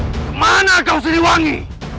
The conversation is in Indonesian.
kemana kau seriwangi